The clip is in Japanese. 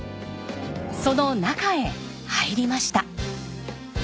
その中へ入りました。